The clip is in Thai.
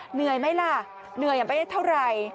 เหนื่อยไหมล่ะเหนื่อยไปได้เท่าไหร่